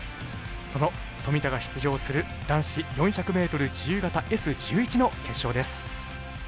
その富田が出場する男子４００ｍ自由形Ｓ１１の決勝です。